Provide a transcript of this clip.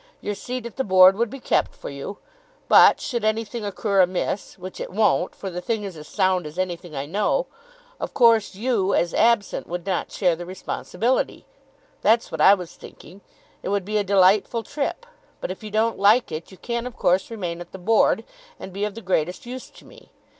Your seat at the Board would be kept for you; but, should anything occur amiss, which it won't, for the thing is as sound as anything I know, of course you, as absent, would not share the responsibility. That's what I was thinking. It would be a delightful trip; but if you don't like it, you can of course remain at the Board, and be of the greatest use to me.